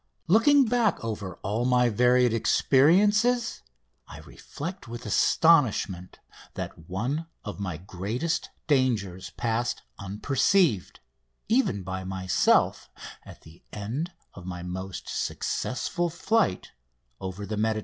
Looking back over all my varied experiences I reflect with astonishment that one of my greatest dangers passed unperceived, even by myself at the end of my most successful flight over the Mediterranean.